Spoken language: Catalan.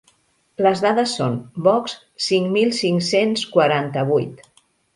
Les dades són: Box cinc mil cinc-cents quaranta-vuit.